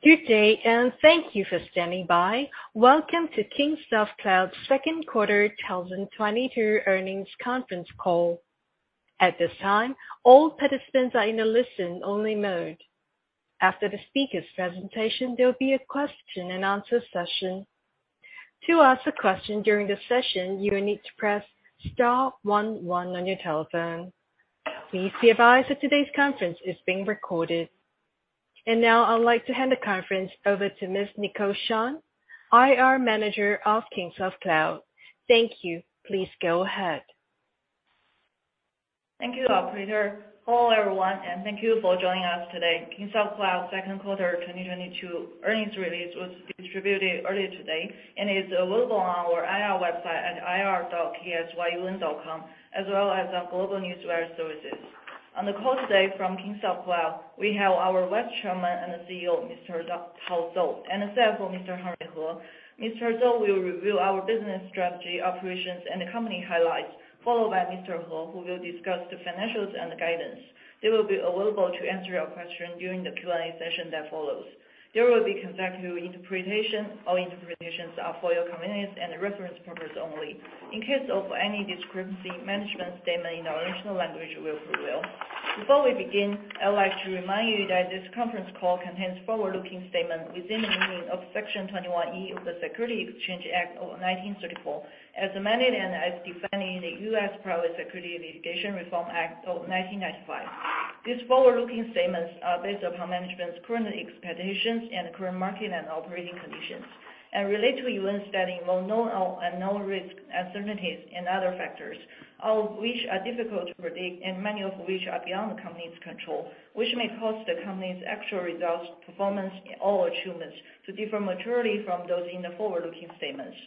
Good day, thank you for standing by. Welcome to Kingsoft Cloud's second quarter 2022 earnings conference call. At this time, all participants are in a listen-only mode. After the speakers' presentation, there will be a question and answer session. To ask a question during the session, you will need to press star one one on your telephone. Please be advised that today's conference is being recorded. Now I'd like to hand the conference over to Ms. Nicole Shan, IR manager of Kingsoft Cloud. Thank you. Please go ahead. Thank you, operator. Hello, everyone, and thank you for joining us today. Kingsoft Cloud second quarter 2022 earnings release was distributed earlier today and is available on our IR website at ir.ksyun.com, as well as our global newswire services. On the call today from Kingsoft Cloud, we have our Vice Chairman and CEO, Mr. Tao Zou, and CFO, Mr. Haijian He. Mr. Zou will review our business strategy, operations, and the company highlights, followed by Mr. He, who will discuss the financials and the guidance. They will be available to answer your question during the Q&A session that follows. There will be consecutive interpretation. All interpretations are for your convenience and reference purpose only. In case of any discrepancy, management statement in the original language will prevail. Before we begin, I would like to remind you that this conference call contains forward-looking statements within the meaning of Section 21E of the Securities Exchange Act of 1934, as amended and as defined in the US Private Securities Litigation Reform Act of 1995. These forward-looking statements are based upon management's current expectations and current market and operating conditions and relate to events that involve known and unknown risks, uncertainties and other factors, all of which are difficult to predict and many of which are beyond the company's control, which may cause the company's actual results, performance or achievements to differ materially from those in the forward-looking statements.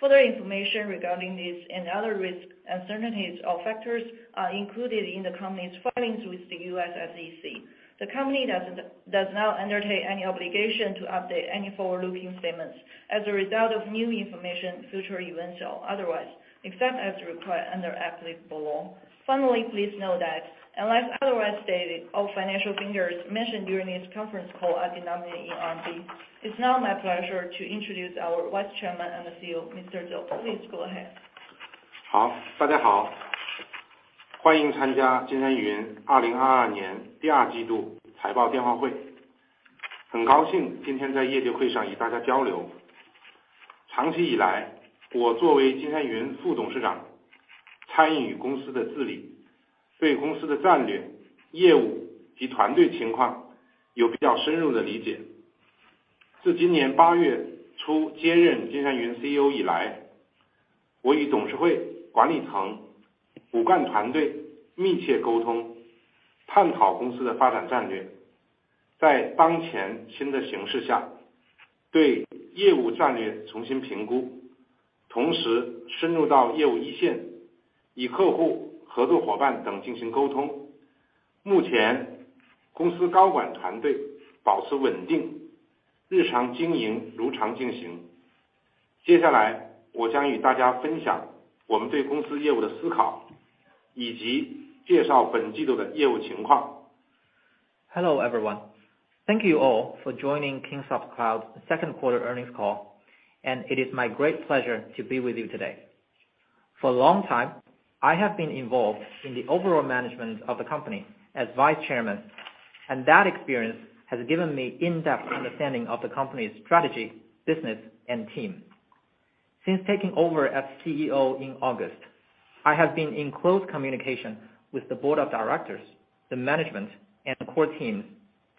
Further information regarding these and other risks, uncertainties or factors are included in the company's filings with the US SEC. The company does not undertake any obligation to update any forward-looking statements as a result of new information, future events or otherwise, except as required under applicable law. Finally, please note that unless otherwise stated, all financial figures mentioned during this conference call are denominated in RMB. It's now my pleasure to introduce our Vice Chairman and CEO, Mr. Zou. Please go ahead. Hello, everyone. Thank you all for joining Kingsoft Cloud Second Quarter Earnings Call, and it is my great pleasure to be with you today. For a long time, I have been involved in the overall management of the company as Vice Chairman, and that experience has given me in-depth understanding of the company's strategy, business and team. Since taking over as CEO in August, I have been in close communication with the board of directors, the management and the core team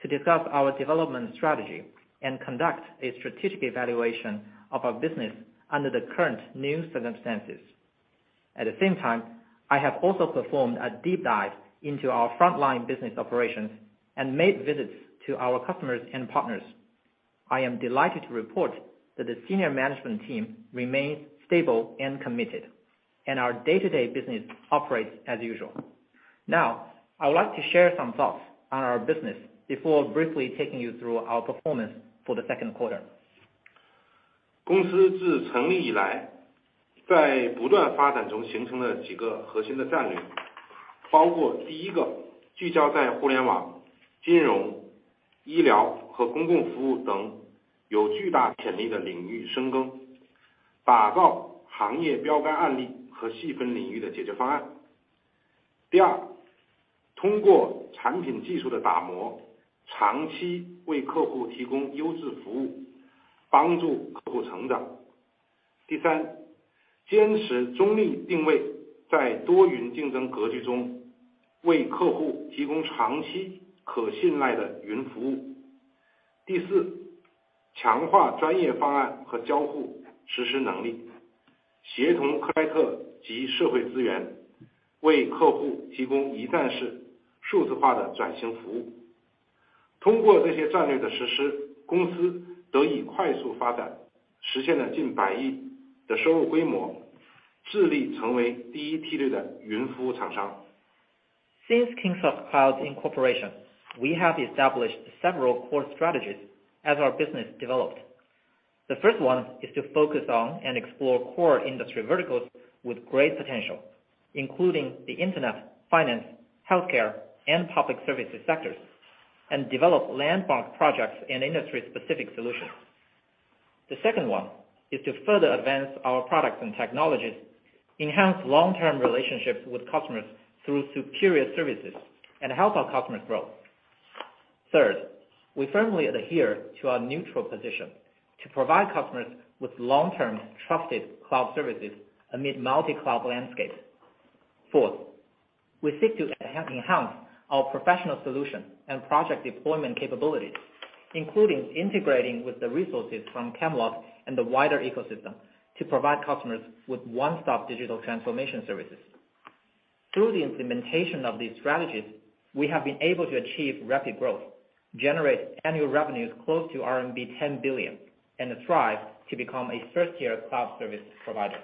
to discuss our development strategy and conduct a strategic evaluation of our business under the current new circumstances. At the same time, I have also performed a deep dive into our frontline business operations and made visits to our customers and partners. I am delighted to report that the senior management team remains stable and committed, and our day-to-day business operates as usual. Now, I would like to share some thoughts on our business before briefly taking you through our performance for the second quarter. Since Kingsoft Cloud's incorporation, we have established several core strategies as our business developed. The first one is to focus on and explore core industry verticals with great potential, including the Internet, finance, healthcare, and public services sectors, and develop landmark projects and industry-specific solutions. The second one is to further advance our products and technologies, enhance long-term relationships with customers through superior services, and help our customers grow. Third, we firmly adhere to our neutral position to provide customers with long-term trusted cloud services amid multi-cloud landscape. Fourth, we seek to enhance our professional solution and project deployment capabilities, including integrating with the resources from Camelot and the wider ecosystem to provide customers with one-stop digital transformation services. Through the implementation of these strategies, we have been able to achieve rapid growth, generate annual revenues close to RMB 10 billion, and strive to become a first-tier cloud service provider.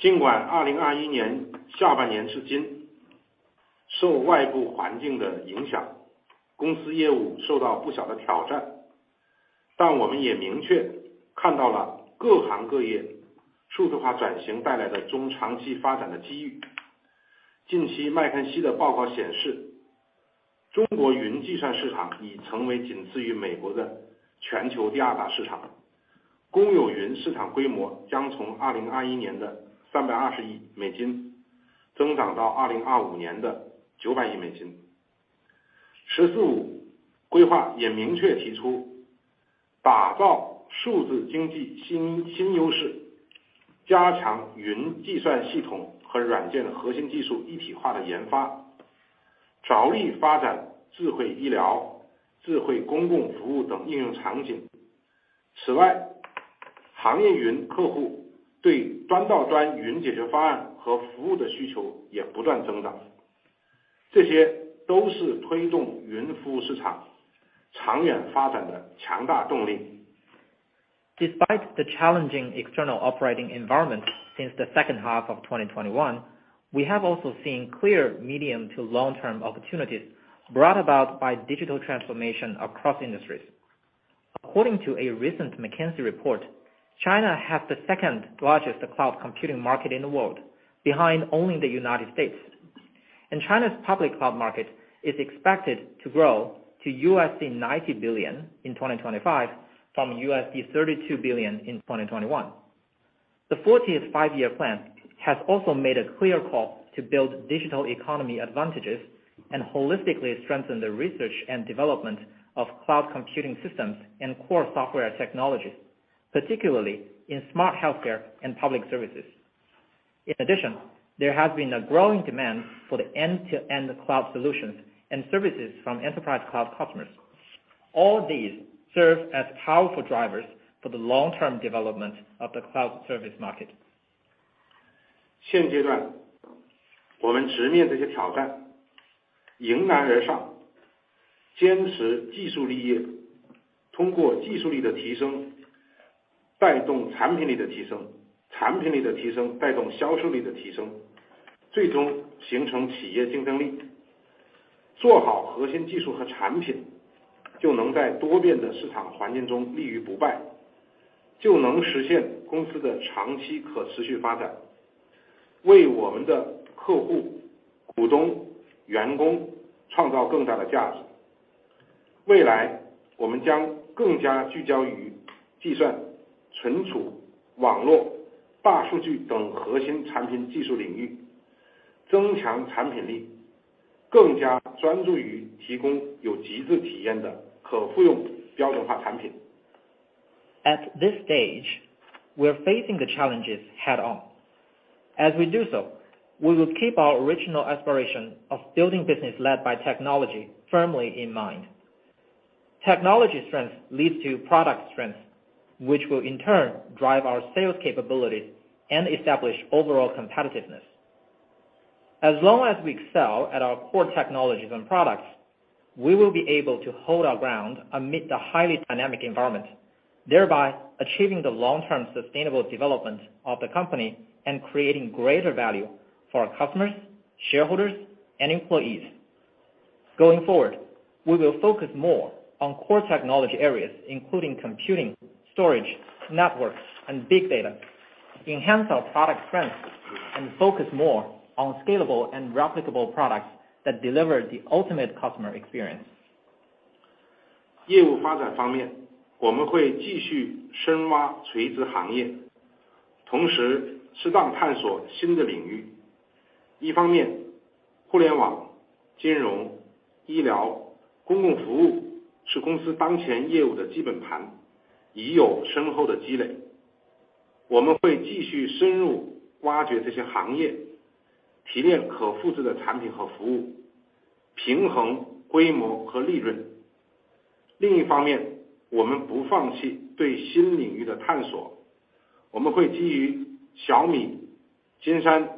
尽管2021年下半年至今，受外部环境的影响，公司业务受到不小的挑战，但我们也明确看到了各行各业数字化转型带来的中长期发展的机遇。近期麦肯锡的报告显示，中国云计算市场已成为仅次于美国的全球第二大市场。公有云市场规模将从2021年的USD Despite the challenging external operating environment since the second half of 2021, we have also seen clear medium to long-term opportunities brought about by digital transformation across industries. According to a recent McKinsey report, China has the second-largest cloud computing market in the world, behind only the United States. China's public cloud market is expected to grow to $90 billion in 2025 from $32 billion in 2021. The 14th Five-Year Plan has also made a clear call to build digital economy advantages and holistically strengthen the research and development of cloud computing systems and core software technologies, particularly in smart healthcare and public services. In addition, there has been a growing demand for the end-to-end cloud solutions and services from enterprise cloud customers. All these serve as powerful drivers for the long-term development of the cloud service market. At this stage, we are facing the challenges head on. As we do so, we will keep our original aspiration of building business led by technology firmly in mind. Technology strength leads to product strength, which will in turn drive our sales capabilities and establish overall competitiveness. As long as we excel at our core technologies and products, we will be able to hold our ground amid the highly dynamic environment, thereby achieving the long-term sustainable development of the company and creating greater value for our customers, shareholders, and employees. Going forward, we will focus more on core technology areas including computing, storage, networks, and big data, enhance our product strength, and focus more on scalable and replicable products that deliver the ultimate customer experience. In terms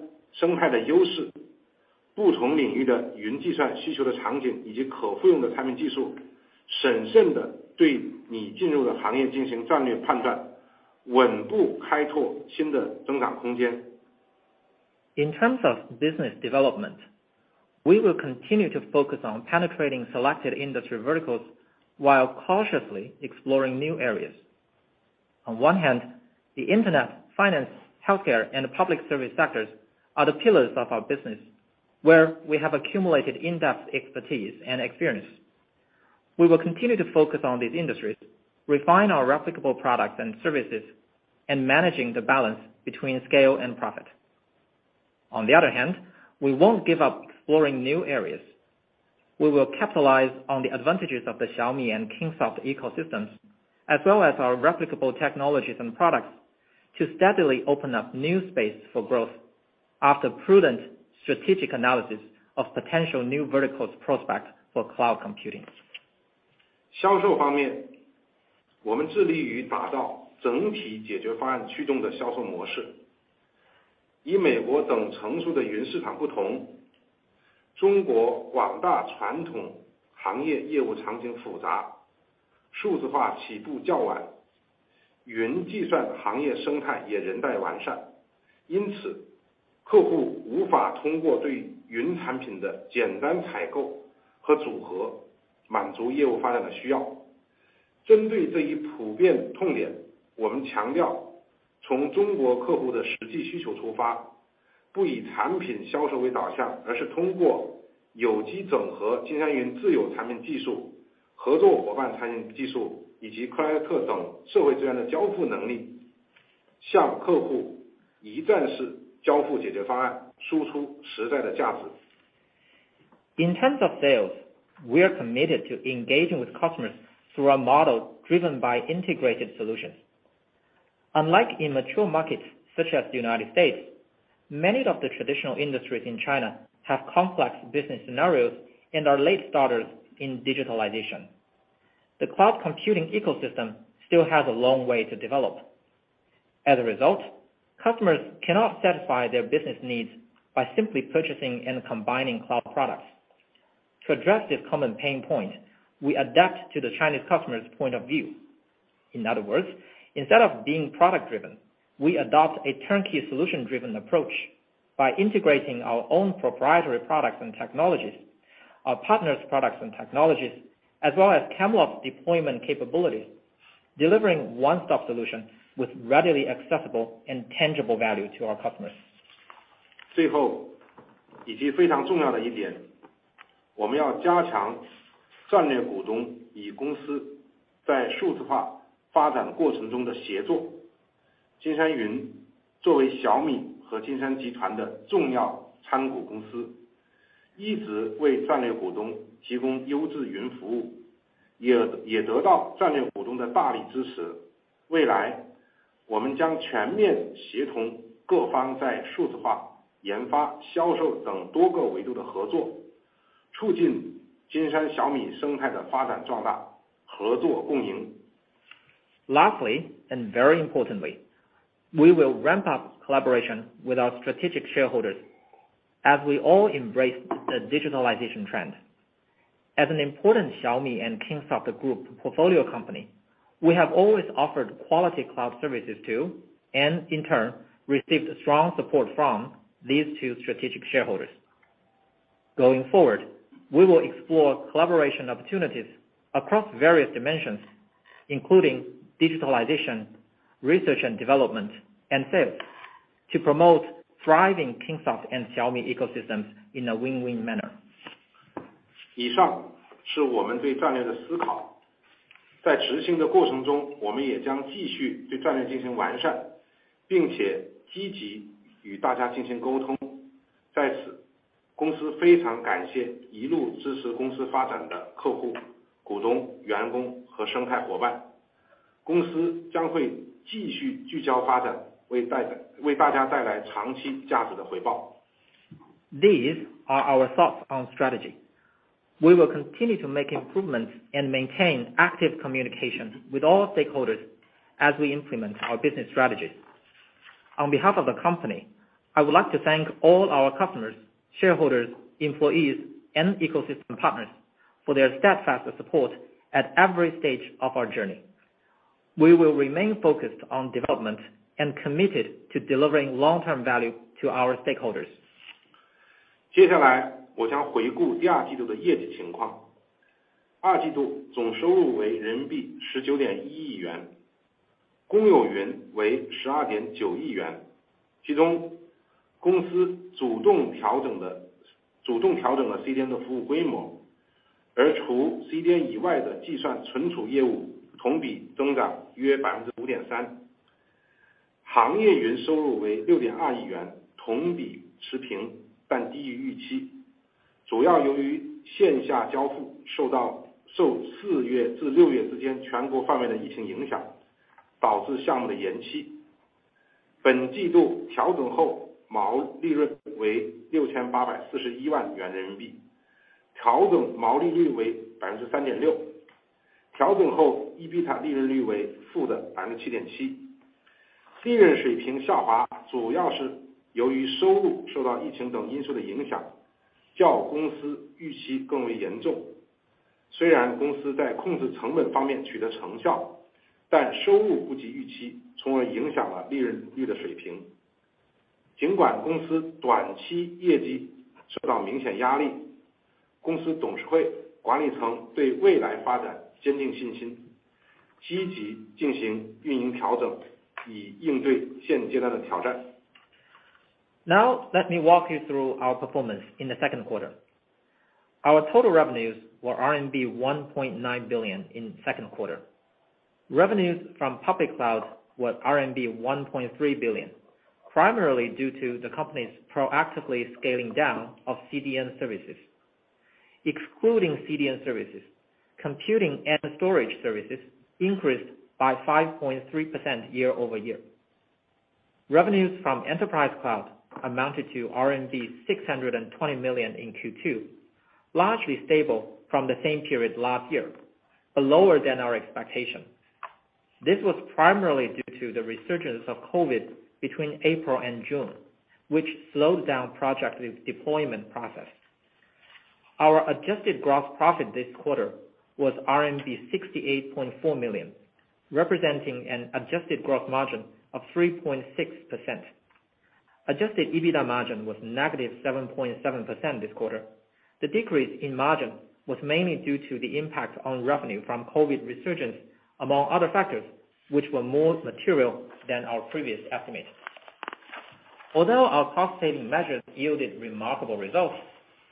of business development, we will continue to focus on penetrating selected industry verticals while cautiously exploring new areas. On one hand, the internet, finance, healthcare, and public service sectors are the pillars of our business, where we have accumulated in-depth expertise and experience. We will continue to focus on these industries, refine our replicable products and services, and managing the balance between scale and profit. On the other hand, we won't give up exploring new areas. We will capitalize on the advantages of the Xiaomi and Kingsoft ecosystems, as well as our replicable technologies and products to steadily open up new space for growth after prudent strategic analysis of potential new verticals prospects for cloud computing. In terms of sales, we are committed to engaging with customers through a model driven by integrated solutions. Unlike in mature markets such as the United States, many of the traditional industries in China have complex business scenarios and are late starters in digitalization. The cloud computing ecosystem still has a long way to develop. As a result, customers cannot satisfy their business needs by simply purchasing and combining cloud products. To address this common pain point, we adapt to the Chinese customers' point of view. In other words, instead of being product driven, we adopt a turnkey solution-driven approach by integrating our own proprietary products and technologies, our partners' products and technologies, as well as Camelot deployment capabilities, delivering one-stop solution with readily accessible and tangible value to our customers. 最后，以及非常重要的一点，我们要加强战略股东与公司在数字化发展过程中的协作。金山云作为小米和金山集团的重要参股公司，一直为战略股东提供优质云服务，也得到战略股东的大力支持。未来我们将全面协同各方在数字化、研发、销售等多个维度的合作，促进金山小米生态的发展壮大，合作共赢。Lastly, and very importantly, we will ramp up collaboration with our strategic shareholders as we all embrace the digitalization trend. As an important Xiaomi and Kingsoft Group portfolio company, we have always offered quality cloud services to and in turn received strong support from these two strategic shareholders. Going forward, we will explore collaboration opportunities across various dimensions, including digitalization, research and development, and sales to promote thriving Kingsoft and Xiaomi ecosystems in a win-win manner. 以上是我们对战略的思考。在执行的过程中，我们也将继续对战略进行完善，并且积极与大家进行沟通。在此，公司非常感谢一路支持公司发展的客户、股东、员工和生态伙伴。公司将会继续聚焦发展，为大家带来长期价值的回报。These are our thoughts on strategy. We will continue to make improvements and maintain active communication with all stakeholders as we implement our business strategies. On behalf of the company, I would like to thank all our customers, shareholders, employees and ecosystem partners for their steadfast support at every stage of our journey. We will remain focused on development and committed to delivering long term value to our stakeholders. Now let me walk you through our performance in the second quarter. Our total revenues were RMB 1.9 billion in the second quarter. Revenues from public cloud was RMB 1.3 billion, primarily due to the company's proactively scaling down of CDN services. Excluding CDN services, computing and storage services increased by 5.3% year-over-year. Revenues from enterprise cloud amounted to 620 million in Q2, largely stable from the same period last year, but lower than our expectation. This was primarily due to the resurgence of COVID between April and June, which slowed down project deployment process. Our adjusted gross profit this quarter was RMB 68.4 million, representing an adjusted gross margin of 3.6%. Adjusted EBITDA margin was negative 7.7% this quarter. The decrease in margin was mainly due to the impact on revenue from COVID resurgence, among other factors which were more material than our previous estimates. Although our cost saving measures yielded remarkable results,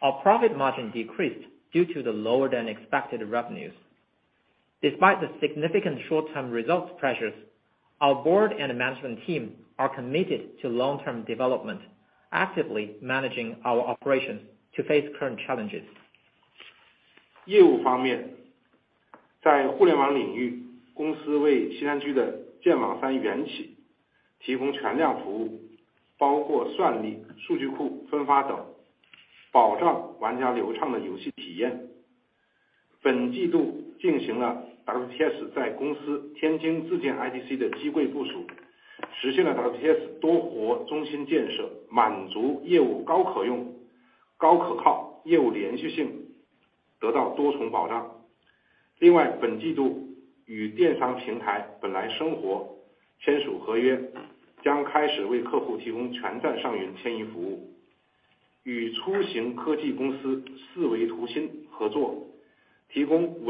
our profit margin decreased due to the lower than expected revenues. Despite the significant short term results pressures, our board and management team are committed to long term development, actively managing our operations to face current challenges. On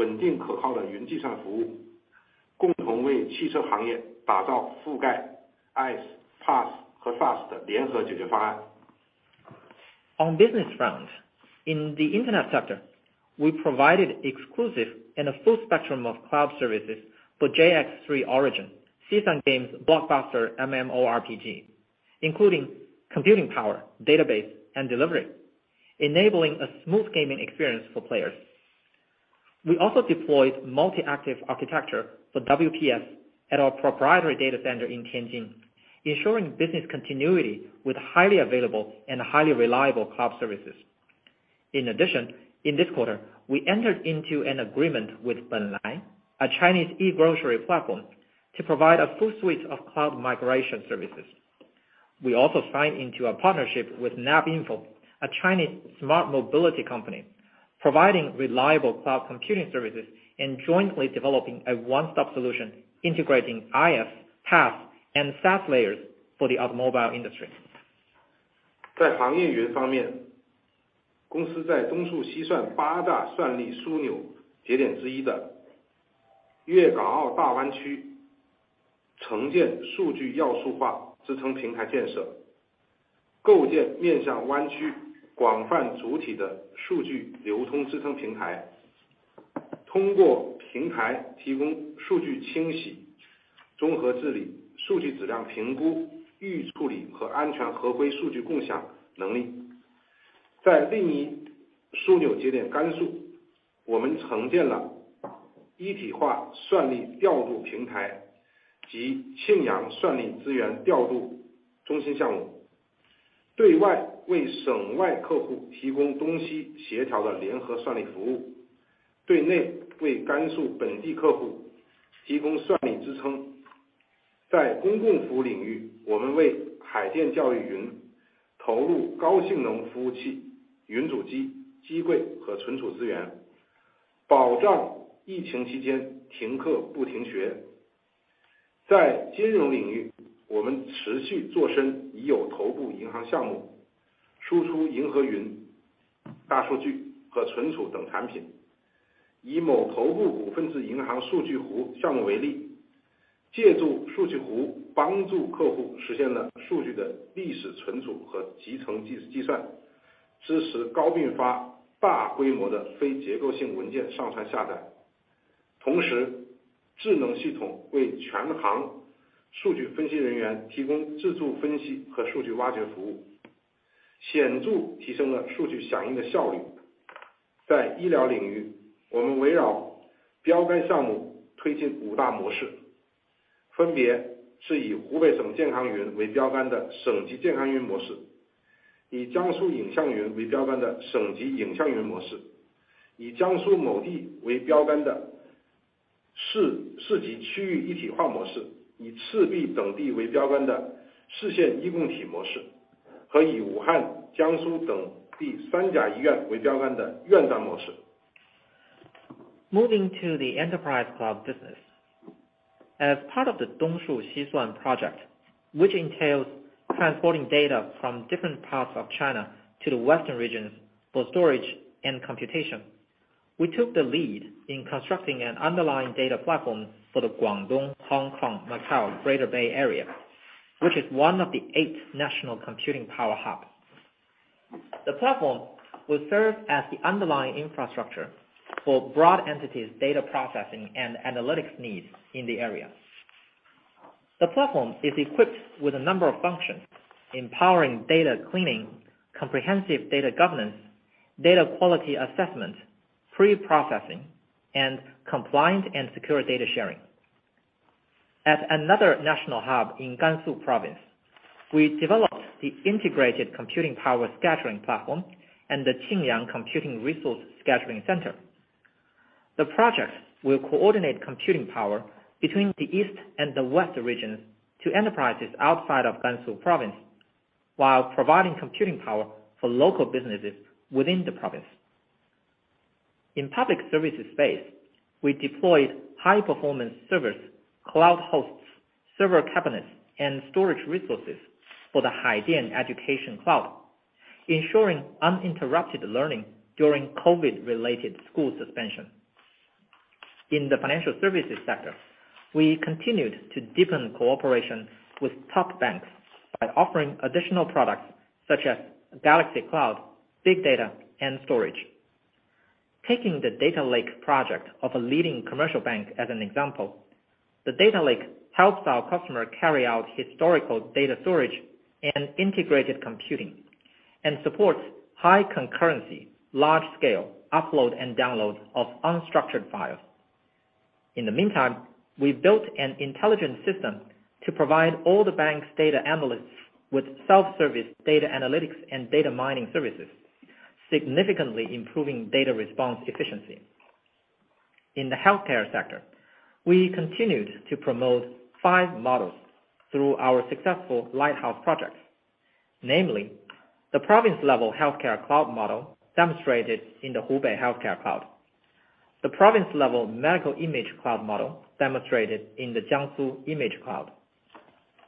business front, in the Internet sector, we provided exclusive and a full spectrum of cloud services for JX3 Origin, Seasun Games blockbuster MMORPG, including computing power, database, and delivery, enabling a smooth gaming experience for players. We also deployed multi active architecture for WPS at our proprietary data center in Tianjin, ensuring business continuity with highly available and highly reliable cloud services. In addition, in this quarter we entered into an agreement with Benlai, a Chinese eGrocery platform, to provide a full suite of cloud migration services. We also signed into a partnership with NavInfo, a Chinese smart mobility company providing reliable cloud computing services and jointly developing a one stop solution integrating IaaS, PaaS and SaaS layers for the automobile industry. Moving to the enterprise cloud business. As part of the Eastern Data, Western Computing project, which entails transporting data from different parts of China to the western region for storage and computation, we took the lead in constructing an underlying data platform for the Guangdong-Hong Kong-Macao Greater Bay Area, which is one of the eight national computing power hub. The platform will serve as the underlying infrastructure for broad entities data processing and analytics needs in the area. The platform is equipped with a number of functions, empowering data cleaning, comprehensive data governance, data quality assessment, pre-processing, and compliant and secure data sharing. At another national hub in Gansu Province, we developed the integrated computing power scheduling platform and the Qingyang computing resource scheduling center. The project will coordinate computing power between the east and the west regions to enterprises outside of Gansu Province, while providing computing power for local businesses within the province. In public services space, we deployed high-performance servers, cloud hosts, server cabinets and storage resources for the Haidan Education Cloud, ensuring uninterrupted learning during COVID-related school suspension. In the financial services sector, we continued to deepen cooperation with top banks by offering additional products such as Galaxy Cloud, Big Data, and storage. Taking the Data Lake project of a leading commercial bank as an example, the Data Lake helps our customer carry out historical data storage and integrated computing, and supports high concurrency, large scale, upload and download of unstructured files. In the meantime, we built an intelligent system to provide all the bank's data analysts with self-service data analytics and data mining services, significantly improving data response efficiency. In the healthcare sector, we continued to promote five models through our successful lighthouse projects, namely the province-level healthcare cloud model demonstrated in the Hubei Healthcare Cloud. The province-level medical image cloud model demonstrated in the Jiangsu Image Cloud.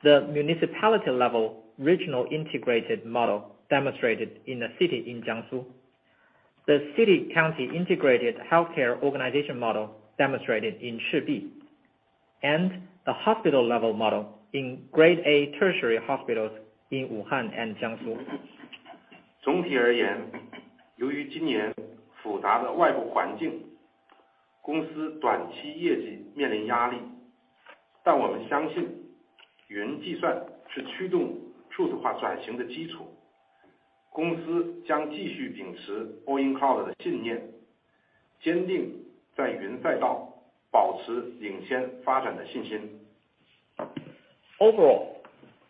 The municipality-level regional integrated model demonstrated in a city in Jiangsu. The city-county integrated healthcare organization model demonstrated in Chibi. The hospital-level model in Grade A tertiary hospitals in Wuhan and Jiangsu. Overall,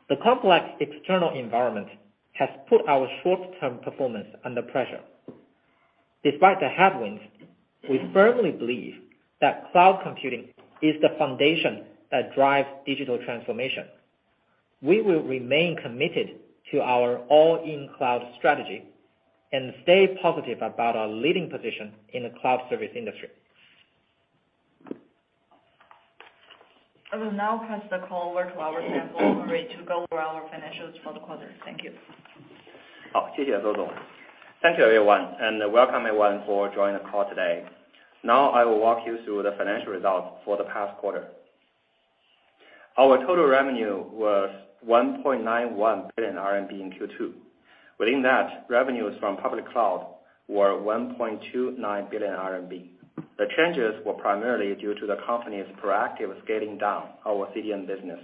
the complex external environment has put our short-term performance under pressure. Despite the headwinds, we firmly believe that cloud computing is the foundation that drives digital transformation. We will remain committed to our all-in cloud strategy and stay positive about our leading position in the cloud service industry. I will now pass the call over to our CFO, He, to go through our financials for the quarter. Thank you. Thank you, everyone, and welcome everyone for joining the call today. Now I will walk you through the financial results for the past quarter. Our total revenue was 1.91 billion RMB in Q2. Within that, revenues from public cloud were 1.29 billion RMB. The changes were primarily due to the company's proactive scaling down our CDN business,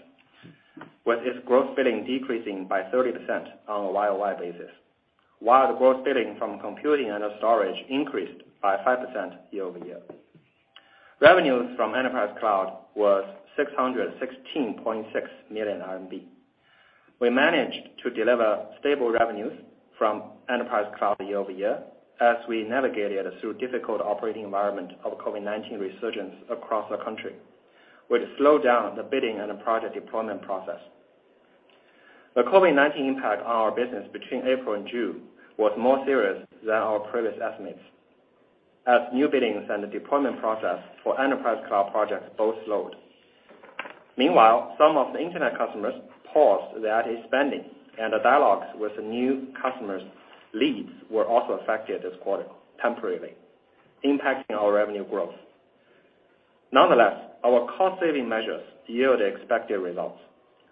with its gross billing decreasing by 30% on a YOY basis, while the gross billing from computing and storage increased by 5% year-over-year. Revenues from enterprise cloud was 616.6 million RMB. We managed to deliver stable revenues from enterprise cloud year-over-year as we navigated through difficult operating environment of COVID-19 resurgence across the country, which slowed down the bidding and the project deployment process. The COVID-19 impact on our business between April and June was more serious than our previous estimates, as new biddings and the deployment process for enterprise cloud projects both slowed. Meanwhile, some of the internet customers paused their ad spending, and the dialogues with the new customers' leads were also affected this quarter temporarily, impacting our revenue growth. Nonetheless, our cost saving measures yield expected results,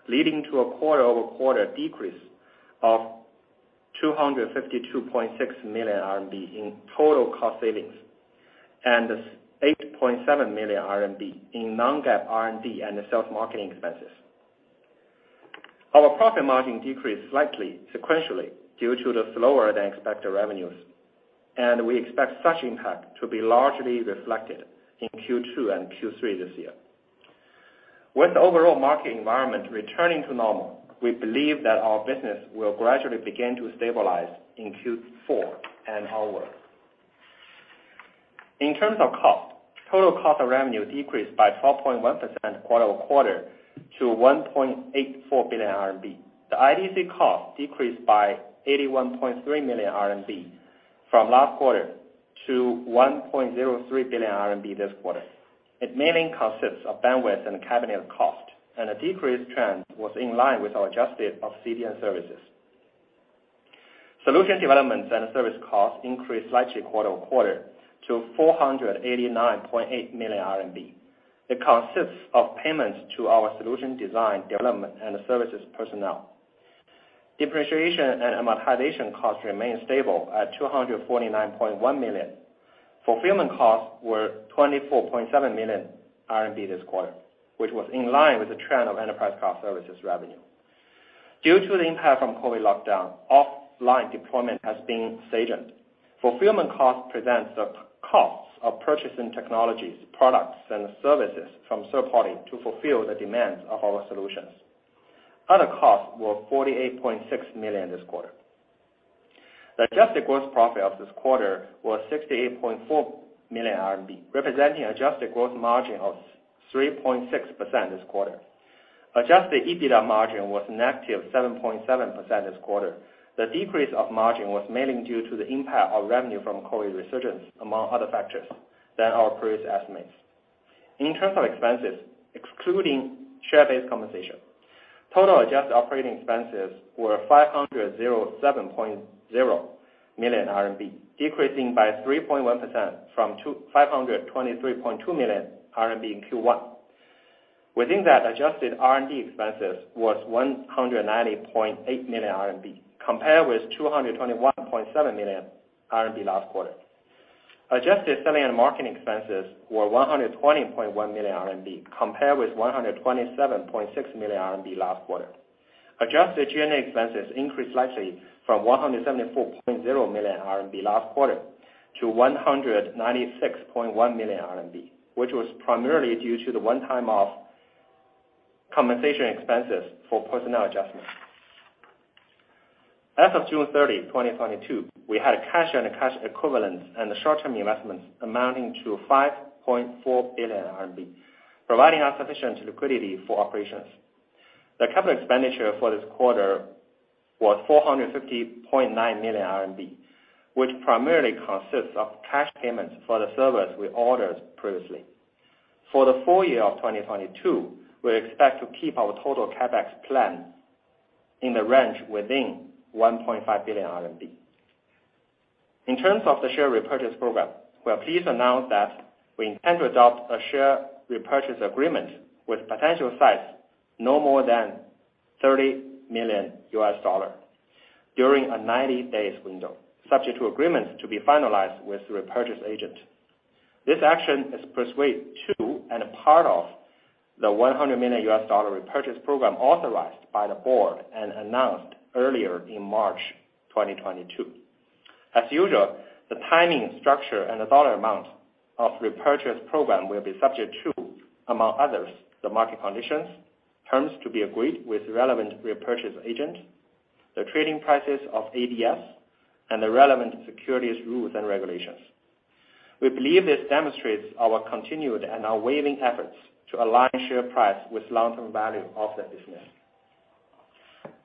leading to a quarter-over-quarter decrease of 252.6 million RMB in total cost savings, and 8.7 million RMB in non-GAAP R&D and sales and marketing expenses. Our profit margin decreased slightly sequentially due to the slower than expected revenues. We expect such impact to be largely reflected in Q2 and Q3 this year. With the overall market environment returning to normal, we believe that our business will gradually begin to stabilize in Q4 and onward. In terms of cost, total cost of revenue decreased by 12.1% quarter-over-quarter to 1.84 billion RMB. The IDC cost decreased by 81.3 million RMB from last quarter to 1.03 billion RMB this quarter. It mainly consists of bandwidth and cabinet cost, and a decreased trend was in line with our adjustment of CDN services. Solution developments and service costs increased slightly quarter-over-quarter to 489.8 million RMB. It consists of payments to our solution design, development, and services personnel. Depreciation and amortization costs remain stable at 249.1 million. Fulfillment costs were 24.7 million RMB this quarter, which was in line with the trend of enterprise cloud services revenue. Due to the impact from COVID lockdown, offline deployment has been stagnant. Fulfillment costs present the costs of purchasing technologies, products, and services from third party to fulfill the demands of our solutions. Other costs were 48.6 million this quarter. The adjusted gross profit of this quarter was 68.4 million RMB, representing adjusted gross margin of 3.6% this quarter. Adjusted EBITDA margin was -7.7% this quarter. The decrease of margin was mainly due to the impact of revenue from COVID resurgence among other factors than our previous estimates. In terms of expenses, excluding share-based compensation, total adjusted operating expenses were 507.0 million RMB, decreasing by 3.1% from 523.2 million RMB in Q1. Within that, adjusted R&D expenses was 190.8 million RMB compared with 221.7 million RMB last quarter. Adjusted selling and marketing expenses were 120.1 million RMB compared with 127.6 million RMB last quarter. Adjusted G&A expenses increased slightly from 174.0 million RMB last quarter to 196.1 million RMB, which was primarily due to the one-time off compensation expenses for personnel adjustments. As of June 30, 2022, we had cash and cash equivalents and short-term investments amounting to 5.4 billion RMB, providing us sufficient liquidity for operations. The capital expenditure for this quarter was 450.9 million RMB, which primarily consists of cash payments for the servers we ordered previously. For the full year of 2022, we expect to keep our total CapEx plan in the range within 1.5 billion RMB. In terms of the share repurchase program, we are pleased to announce that we intend to adopt a share repurchase agreement with potential size no more than $30 million during a 90-day window, subject to agreements to be finalized with the repurchase agent. This action is pursuant to and a part of the $100 million repurchase program authorized by the board and announced earlier in March 2022. As usual, the timing, structure, and the dollar amount of repurchase program will be subject to, among others, the market conditions, terms to be agreed with relevant repurchase agent, the trading prices of ADS and the relevant securities rules and regulations. We believe this demonstrates our continued and our unwavering efforts to align share price with long-term value of the business.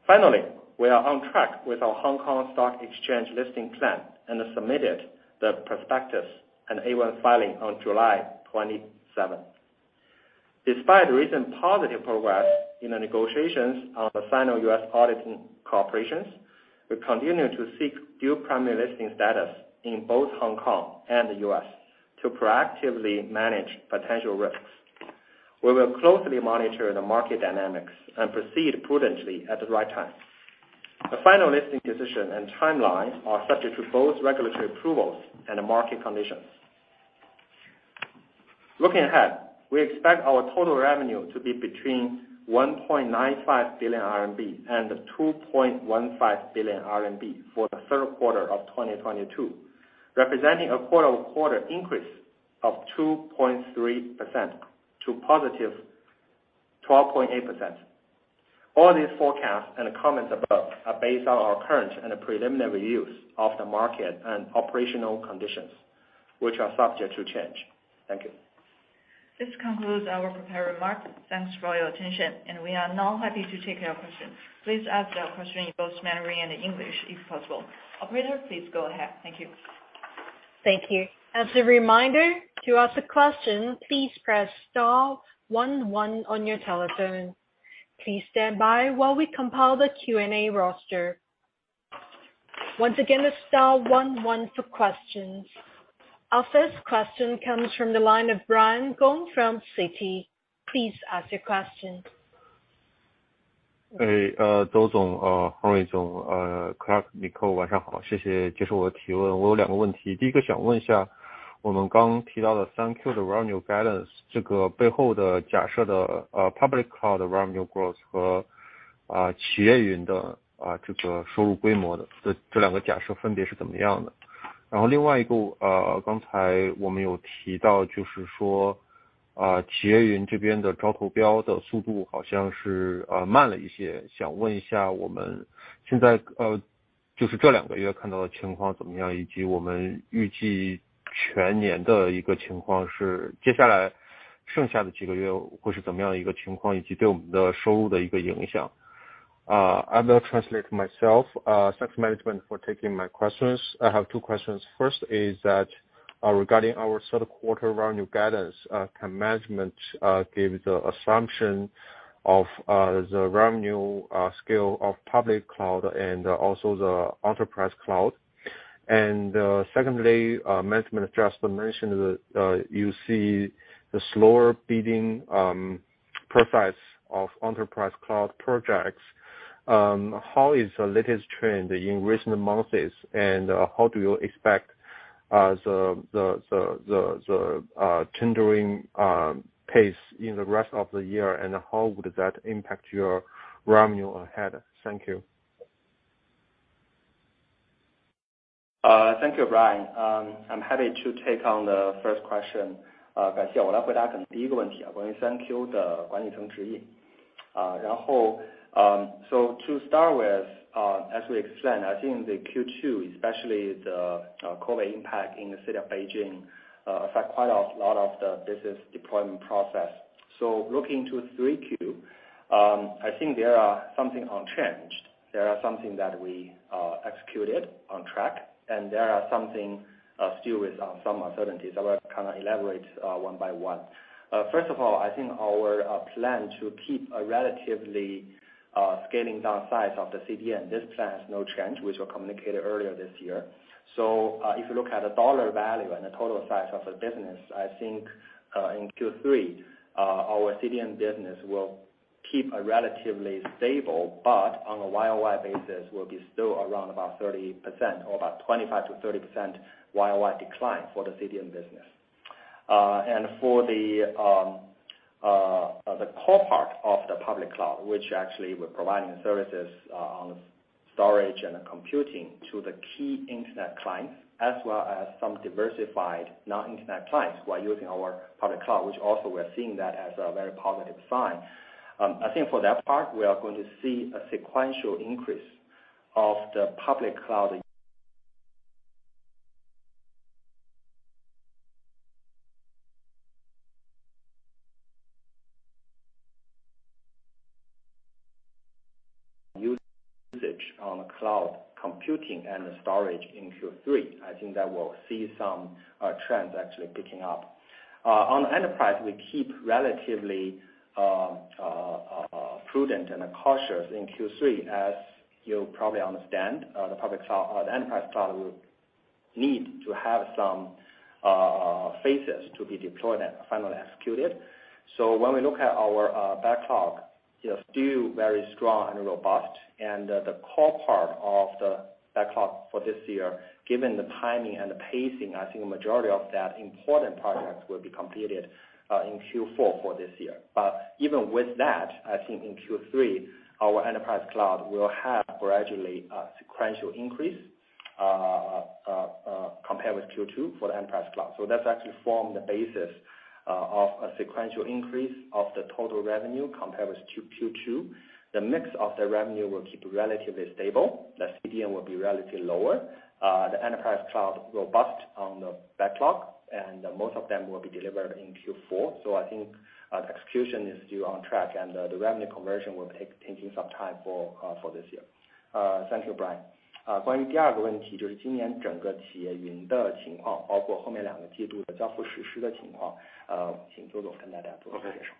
Finally, we are on track with our Hong Kong Stock Exchange listing plan and submitted the prospectus and A1 filing on July 27. Despite recent positive progress in the negotiations on the final U.S. auditing cooperation, we continue to seek dual primary listing status in both Hong Kong and the U.S. to proactively manage potential risks. We will closely monitor the market dynamics and proceed prudently at the right time. The final listing decision and timeline are subject to both regulatory approvals and the market conditions. Looking ahead, we expect our total revenue to be between 1.95 billion RMB and 2.15 billion RMB for the third quarter of 2022, representing a quarter-over-quarter increase of 2.3% to +12.8%. All these forecasts and comments above are based on our current and preliminary views of the market and operational conditions, which are subject to change. Thank you. This concludes our prepared remarks. Thanks for your attention, and we are now happy to take your questions. Please ask your question in both Mandarin and English, if possible. Operator, please go ahead. Thank you. Thank you. As a reminder, to ask a question, please press star one one on your telephone. Please stand by while we compile the Q&A roster. Once again, it's star one one for questions. Our first question comes from the line of Brian Gong from Citi. Please ask your question. 然后另外一个，刚才我们有提到就是说，企业云这边的招投标的速度好像是慢了一些。想问一下我们现在就是这两个月看到的情况怎么样，以及我们预计全年的一个情况是接下来剩下的几个月会是怎么样一个情况，以及对我们的收入的一个影响。Thanks management for taking my questions. I have two questions. First is that regarding our third quarter revenue guidance, can management give the assumption of the revenue scale of public cloud and also the enterprise cloud. Secondly, management just mentioned that you see the slower bidding profiles of enterprise cloud projects. How is the latest trend in recent months and how do you expect the tendering pace in the rest of the year, and how would that impact your revenue ahead? Thank you. Thank you, Brian. I'm happy to take on the first question. 感谢我来回答可能第一个问题，关于三Q的管理层指引。然后 to start with, as we explained, I think the Q2, especially the COVID impact in the city of Beijing, affect quite a lot of the business deployment process. Looking to Q3, I think there are something unchanged. There are something that we executed on track, and there are something still with some uncertainties. I will kind of elaborate one by one. First of all, I think our plan to keep a relatively scaling down size of the CDN, this plan is no change, which were communicated earlier this year. If you look at the dollar value and the total size of the business, I think in Q3, our CDN business will keep a relatively stable, but on a YoY basis will be still around about 30% or about 25%-30% YoY decline for the CDN business. And for the core part of the public cloud, which actually we're providing services on storage and computing to the key internet clients as well as some diversified non-internet clients who are using our public cloud, which also we are seeing that as a very positive sign. I think for that part, we are going to see a sequential increase of the public cloud usage on cloud computing and storage in Q3. I think that will see some trends actually picking up. On enterprise, we keep relatively prudent and cautious in Q3. As you probably understand, the enterprise cloud will need to have some phases to be deployed and finally executed. When we look at our backlog, it's still very strong and robust and the core part of the backlog for this year, given the timing and the pacing, I think the majority of that important projects will be completed in Q4 for this year. Even with that, I think in Q3, our enterprise cloud will have gradually a sequential increase compared with Q2 for the enterprise cloud. That's actually form the basis of a sequential increase of the total revenue compared with Q2. The mix of the revenue will keep relatively stable. The CDN will be relatively lower. The enterprise cloud robust on the backlog, and most of them will be delivered in Q4. I think execution is still on track and the revenue conversion will take some time for this year. Thank you, Brian. 关于第二个问题，就是今年整个企业云的情况，包括后面两个季度的交付实施的情况，请周总跟大家做介绍。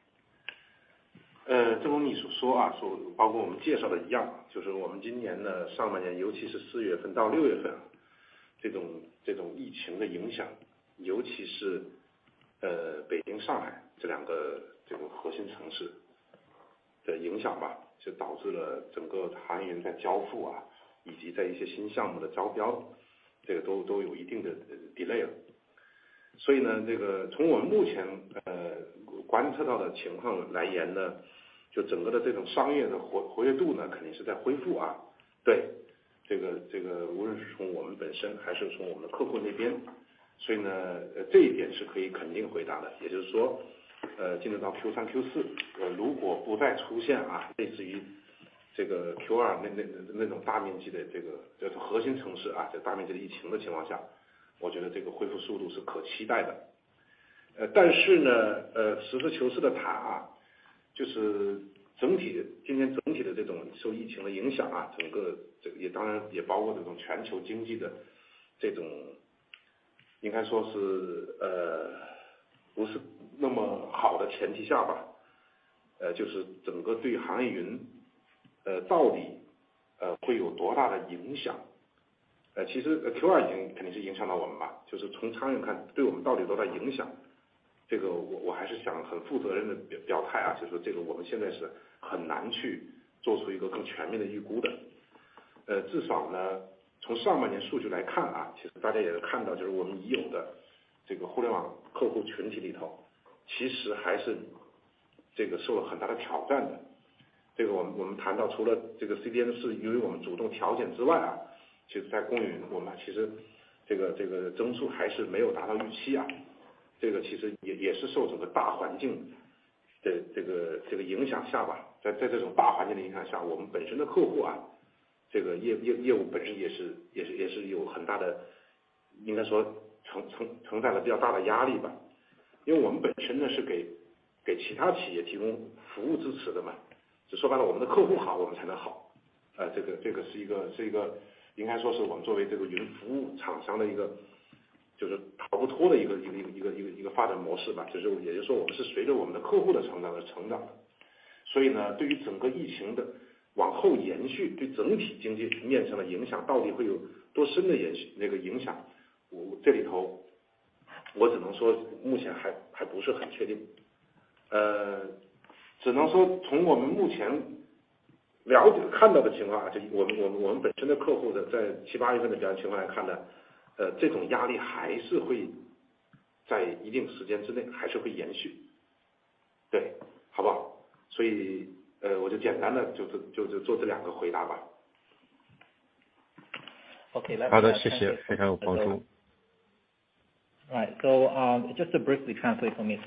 Okay。好的，谢谢。非常帮助。Right. Just briefly translate for me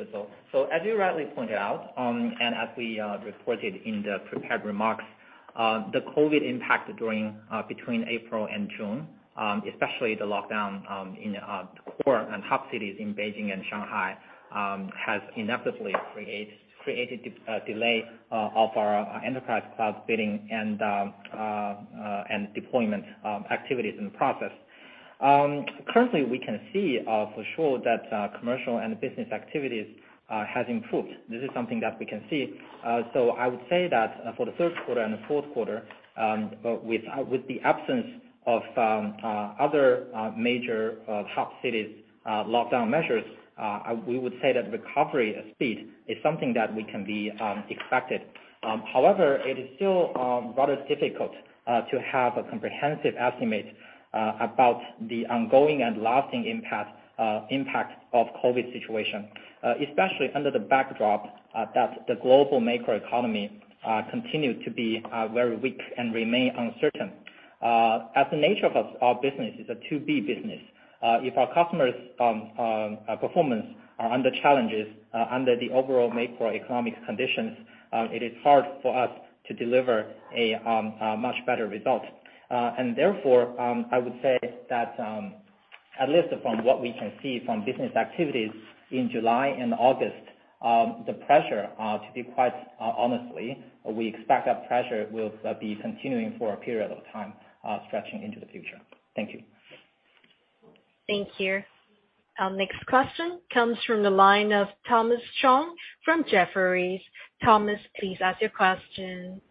so as you rightly point out and as we reported in the prepared remarks. The COVID impact during between April and June, especially the lockdown in the core and top cities in Beijing and Shanghai has inevitably created delay of our enterprise cloud building and deployment activities in the process. Currently we can see for sure that commercial and business activities has improved. This is something that we can see. I would say that for the third quarter and fourth quarter, with the absence of other major top cities lockdown measures, we would say that recovery speed is something that we can be expected. However it is still rather difficult to have a comprehensive estimate about the ongoing and lasting impact of COVID situation, especially under the backdrop that the global macro economy continue to be very weak and remain uncertain. As the nature of our business is a B2B business, if our customers performance are under challenges under the overall macro economic conditions, it is hard for us to deliver a much better result. Therefore I would say that at least from what we can see from business activities in July and August, the pressure, to be quite honest, we expect that pressure will be continuing for a period of time stretching into the future. Thank you. Thank you. Next question comes from the line of Thomas Chong from Jefferies. Thomas, please ask your question.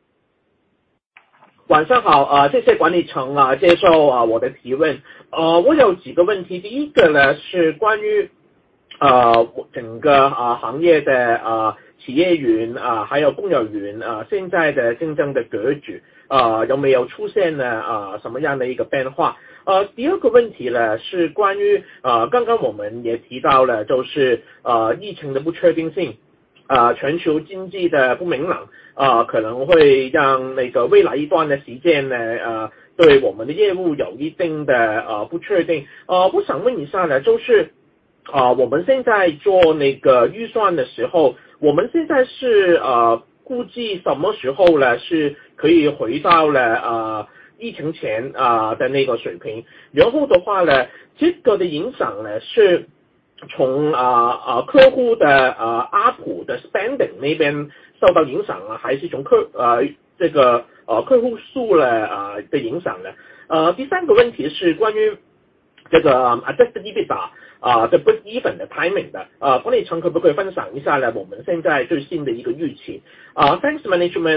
Thanks, management,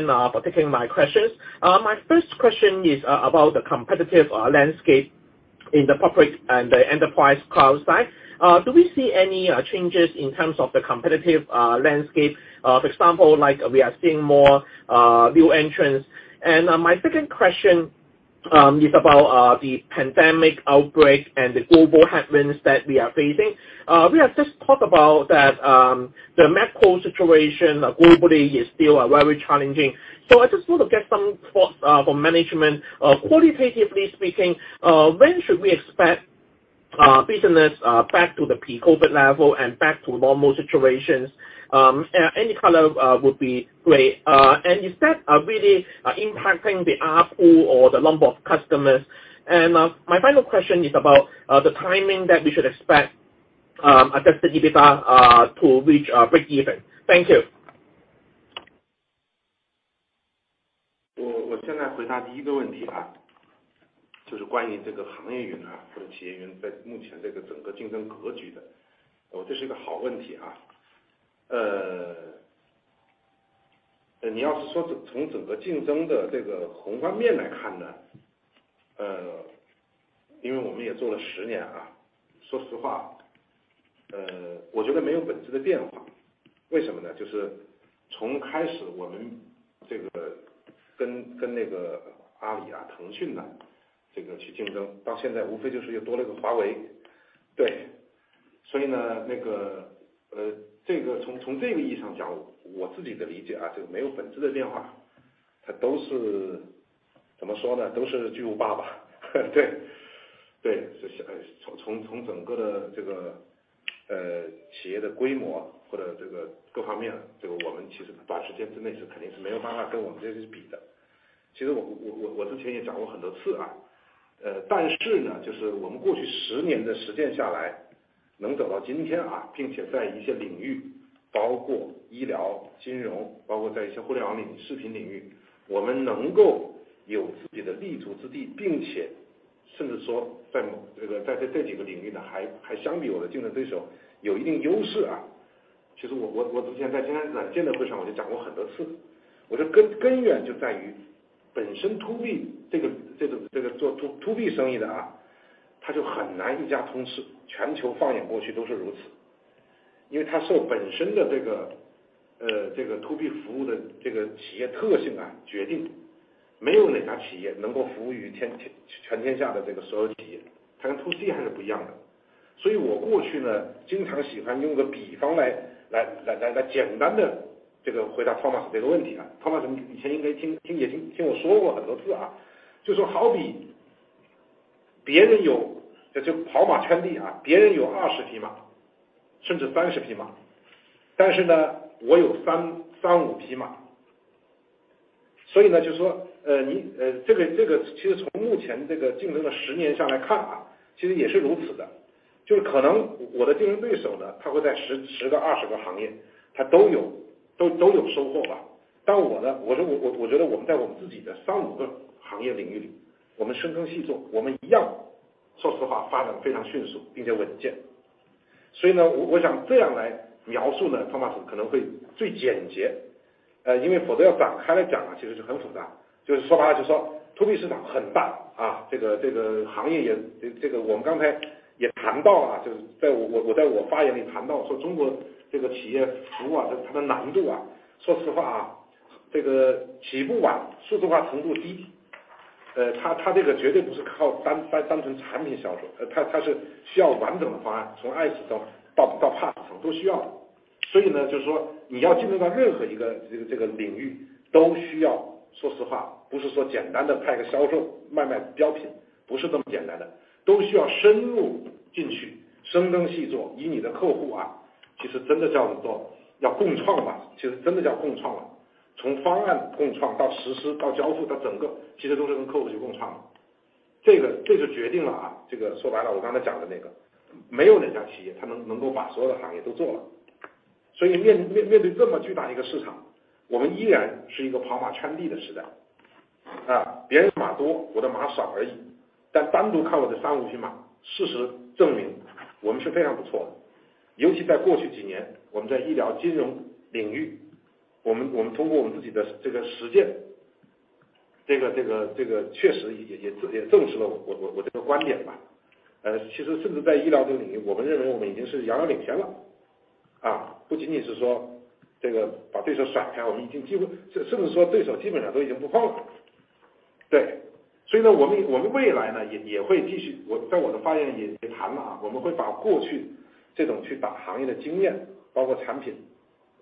for taking my questions. My first question is about the competitive landscape in the public and enterprise cloud side. Do we see any changes in terms of the competitive landscape? For example, like we are seeing more new entrants. My second question is about the pandemic outbreak and the global headwinds that we are facing. We have just talked about that the macro situation globally is still very challenging. I just want to get some thoughts from management qualitatively speaking, when should we expect business back to the pre-COVID level and back to normal situations? Any color would be great. Is that really impacting the ARPU or the number of customers? My final question is about the timing that we should expect adjusted EBITDA to reach breakeven. Thank you. 我现在回答第一个问题啊，就是关于这个行业云啊，或者企业云在目前这个整个竞争格局的。这是一个好问题啊。你要是说从整个竞争的这个宏方面来看呢，因为我们也做了十年啊，说实话，我觉得没有本质的变化。为什么呢？就是从开始我们这个跟阿里啊、腾讯啊这个去竞争到现在，无非就是又多了个华为。对。所以呢，从这个意义上讲，我自己的理解啊，这个没有本质的差别，它都是怎么说呢，都是巨无霸吧。对，就是从整个的这个企业的规模或者这个各方面，这个我们其实把时间之内是肯定是没有办法跟我们这些去比的。其实我之前也讲过很多次啊，但是呢，就是我们过去十年的实践下来，能走到今天啊，并且在一些领域，包括医疗、金融，包括在一些互联网领域、视频领域，我们能够有自己的立足之地，并且甚至说在某这个在这几个领域呢，还相比我的竞争对手有一定优势啊。其实我之前在今天呢，记者会上我就讲过很多次，我觉得根源就在于本身 To B 这个，做 To B 生意的啊，它就很难一家通吃，全球放眼过去都是如此，因为它受本身的这个 To B 服务的这个企业特性啊决定，没有哪家企业能够服务于全天下的这个所有企业，它跟 To C 还是不一样的。所以我过去呢，经常喜欢用一个比方来简单地这个回答 Thomas 这个问题啊。Thomas 以前应该也听我说过很多次啊，就说好比别人跑马圈地啊，别人有二十匹马，甚至三十匹马，但是呢，我有三五匹马。所以呢，就是说，这个其实从目前这个竞争的十年上来看啊，其实也是如此的，就是可能我的竞争对手呢，他会在十个二十个行业他都有收获吧。但我呢，我觉得我们在我们自己的三五个行业领域里，我们深耕细作，我们一样，说实话发展非常迅速并且稳健。所以呢，我想这样来描述呢，Thomas，可能会最简洁，因为否则要展开来讲其实就很复杂。就是说白了就说 To B 市场很大啊，这个行业也，这个我们刚才也谈到啊，就在我在我发言里谈到说中国这个企业服务啊，它的难度啊，说实话啊，这个起步晚，数字化程度低，它绝对不是靠单纯产品销售，它是需要完整的方案，从 IT 到 PaaS Thomas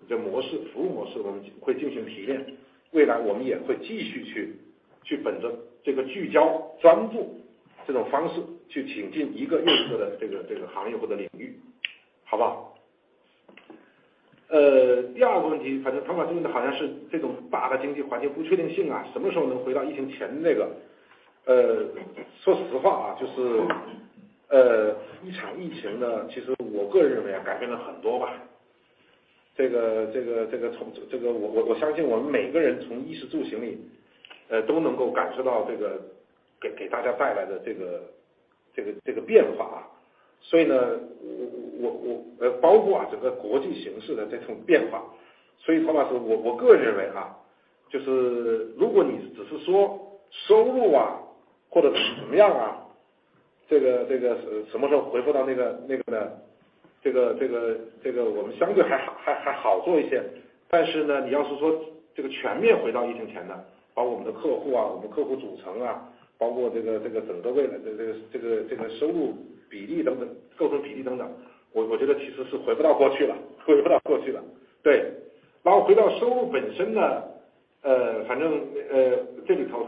Thomas，我个人认为啊，就是如果你只是说收入啊，或者怎么样啊，这个什么时候恢复到那个呢，这个我们相对还好，还好做一些。但是呢，你要是说这个全面回到疫情前呢，把我们的客户啊，我们客户组成啊，包括这个整个未来的这个收入比例等等，构成比例等等，我觉得其实是回不到过去了，回不到过去了。对，然后回到收入本身呢，反正，这里头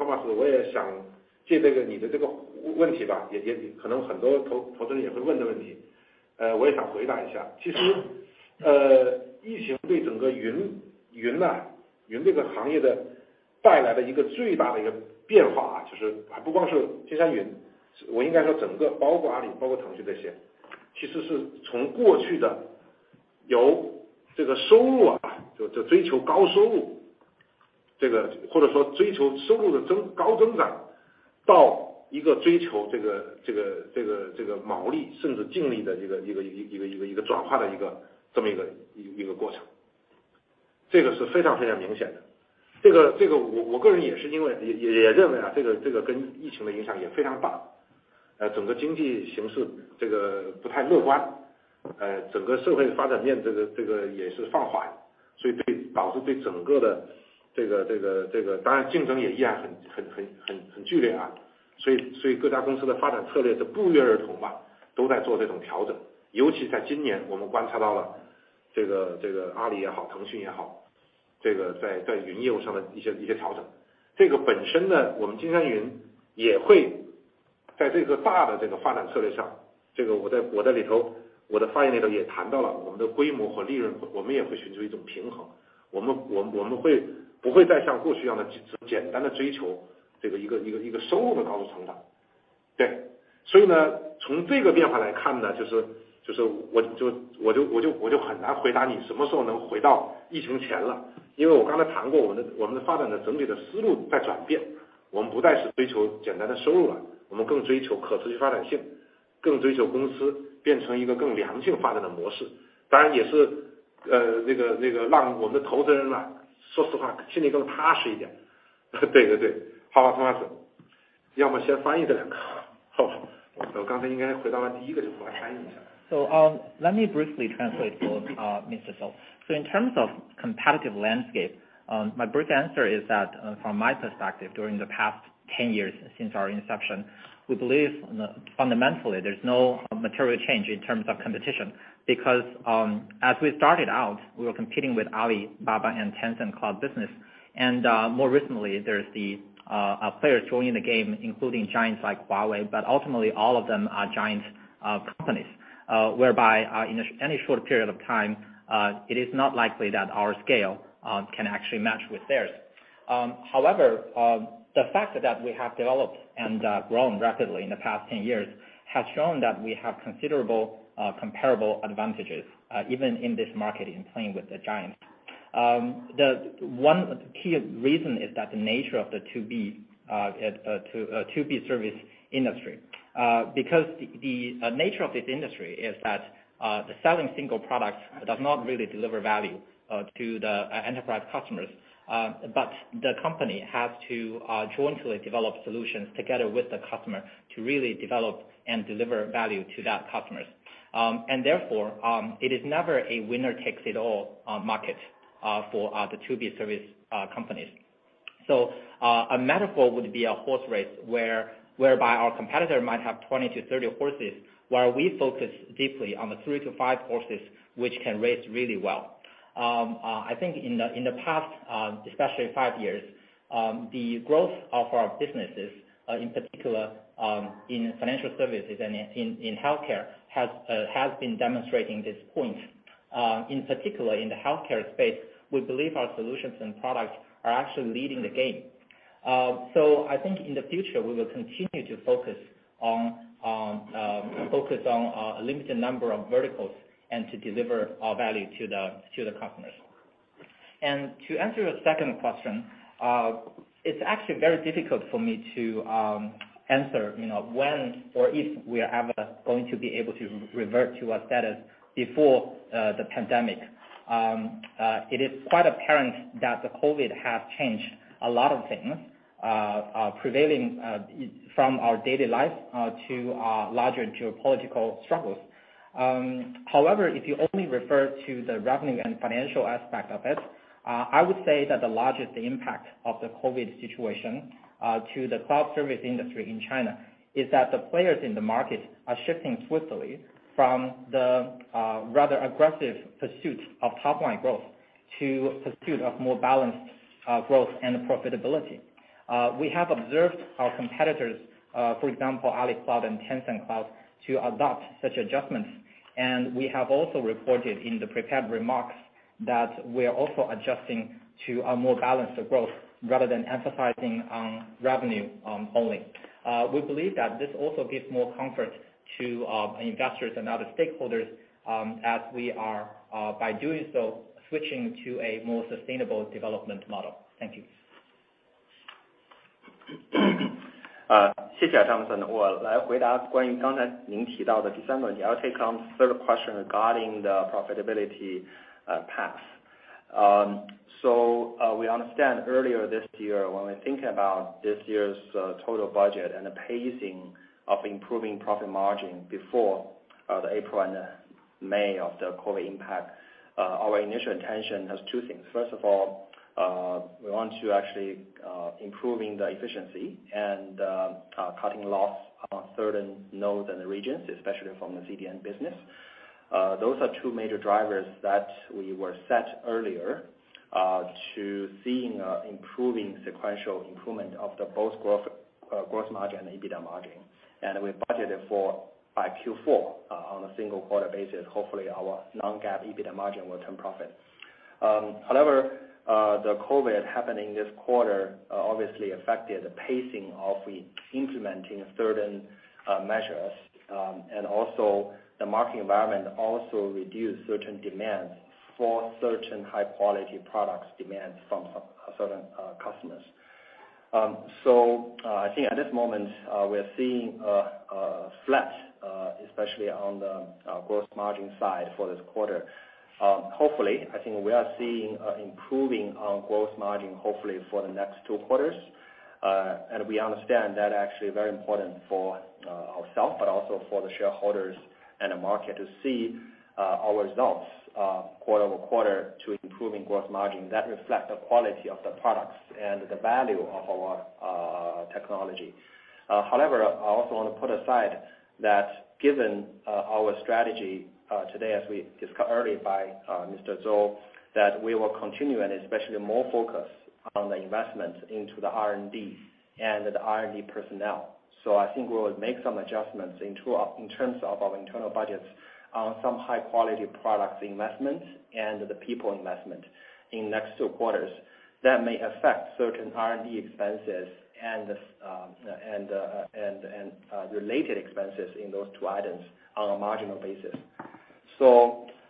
Thomas，我也想借这个你的这个问题吧，也可能很多投资人也会问的问题，我也想回答一下。其实，疫情对整个云啊，云这个行业带来的一个最大的一个变化啊，就是还不光是金山云，我应该说整个包括阿里，包括腾讯这些，其实是从过去的有这个收入啊，就追求高收入这个或者说追求收入的增高增长，到一个追求这个毛利甚至净利的一个转化的这么一个过程。这个是非常非常明显的，这个我个人也认为啊，这个跟疫情的影响也非常大，整个经济形势这个不太乐观。Let me briefly translate for Mr. Zou. In terms of competitive landscape, my brief answer is that from my perspective during the past 10 years since our inception, we believe fundamentally there's no material change in terms of competition, because as we started out, we were competing with Alibaba and Tencent Cloud business. More recently, there's the players joining the game, including giants like Huawei. Ultimately all of them are giant companies, whereby in any short period of time it is not likely that our scale can actually match with theirs. However, the fact that we have developed and grown rapidly in the past 10 years has shown that we have considerable comparable advantages, even in this market, in playing with the giants. The one key reason is that the nature of the To B service industry is that selling single products does not really deliver value to the enterprise customers. The company has to jointly develop solutions together with the customer to really develop and deliver value to that customers. Therefore, it is never a winner-takes-it-all market for the To B service companies. A metaphor would be a horse race whereby our competitor might have 20-30 horses, while we focus deeply on the 3-5 horses, which can race really well. I think in the past, especially five years, the growth of our businesses in particular in financial services and in healthcare has been demonstrating this point. In particular in the healthcare space, we believe our solutions and products are actually leading the game. I think in the future we will continue to focus on a limited number of verticals and to deliver our value to the customers. To answer your second question, it's actually very difficult for me to answer, you know, when or if we are ever going to be able to revert to a status before the pandemic. It is quite apparent that the COVID has changed a lot of things prevailing from our daily life to larger geopolitical struggles. However, if you only refer to the revenue and financial aspect of it, I would say that the largest impact of the COVID situation to the cloud service industry in China is that the players in the market are shifting swiftly from the rather aggressive pursuit of top-line growth to pursuit of more balanced growth and profitability. We have observed our competitors, for example, Alibaba Cloud and Tencent Cloud, to adopt such adjustments, and we have also reported in the prepared remarks that we are also adjusting to a more balanced growth rather than emphasizing on revenue only. We believe that this also gives more comfort to investors and other stakeholders, as we are, by doing so, switching to a more sustainable development model. Thank you. Thank you, Jonathan. I will answer regarding the question you just mentioned, the third question regarding the December guidance on the profitability path. We understand earlier this year when we think about this year's total budget and the pacing of improving profit margin before the April and May of the COVID impact, our initial intention has two things. First of all, we want to actually improving the efficiency and cutting loss on certain nodes and regions, especially from the CDN business. Those are two major drivers that we set earlier to see improving sequential improvement of both gross margin and EBITDA margin. We budgeted for by Q4 on a single quarter basis. Hopefully our non-GAAP EBITDA margin will turn profit. However, the COVID happening this quarter obviously affected the pacing of we implementing certain measures, and also the market environment also reduced certain demands for certain high quality products demand from certain customers. I think at this moment we are seeing flat, especially on the gross margin side for this quarter. Hopefully, I think we are seeing improving our gross margin, hopefully for the next two quarters. We understand that actually very important for ourselves, but also for the shareholders and the market to see our results quarter-over-quarter to improving gross margin that reflect the quality of the products and the value of our technology. However, I also wanna put aside that given our strategy today, as we discussed earlier by Mr. Zou, that we will continue and especially more focused on the investment into the R&D and the R&D personnel. I think we'll make some adjustments in terms of our internal budgets on some high-quality products investments and the people investment in next two quarters that may affect certain R&D expenses and related expenses in those two items on a marginal basis.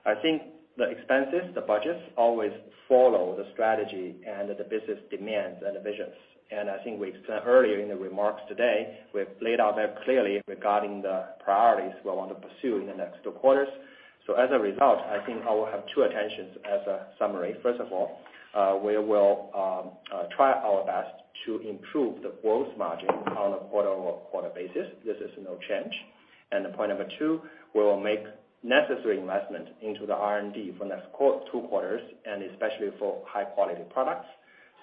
I think the expenses, the budgets always follow the strategy and the business demands and the visions. I think we've said earlier in the remarks today, we've laid out that clearly regarding the priorities we want to pursue in the next two quarters. As a result, I think I will have two attentions as a summary. First of all, we will try our best to improve the gross margin on a quarter-over-quarter basis. This is no change. Point number two, we will make necessary investment into the R&D for next two quarters, and especially for high quality products.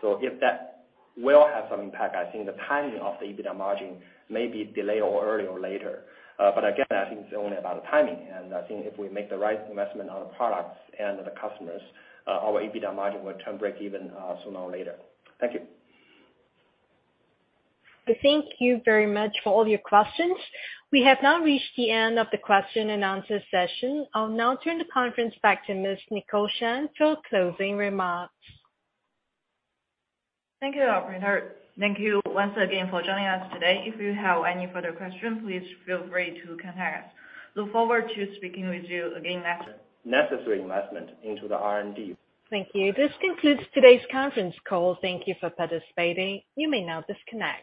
If that will have some impact, I think the timing of the EBITDA margin may be delayed or early or later. But again, I think it's only about the timing. I think if we make the right investment on the products and the customers, our EBITDA margin will turn breakeven, sooner or later. Thank you. Thank you very much for all your questions. We have now reached the end of the question and answer session. I'll now turn the conference back to Ms. Nicole Shan for closing remarks. Thank you, operator. Thank you once again for joining us today. If you have any further questions, please feel free to contact us. Look forward to speaking with you again. Necessary investment into the R&D. Thank you. This concludes today's conference call. Thank you for participating. You may now disconnect.